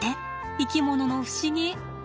生き物の不思議。